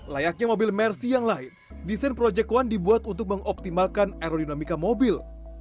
layaknya mobil mercy yang lain desain project one dibuat untuk mengoptimalkan aerodinamika mobil